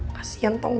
kasian tahu gak